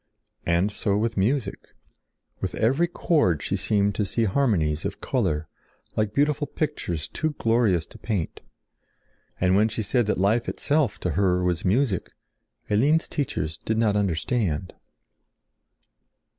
And so with music. With every chord she seemed to see harmonies of color, like beautiful pictures too glorious to paint. And when she said that life itself to her was music, Eline's teachers did not understand.